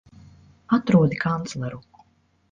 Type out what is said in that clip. Atrodi kancleru!